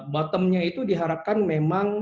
bottomnya itu diharapkan memang